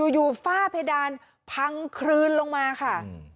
อยู่ฝ้าเพดานพังคลืนลงมาค่ะ